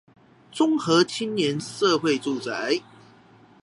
中和青年社會住宅